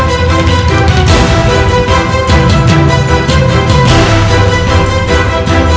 dia membawa saya disuruh membawa saya ke rumah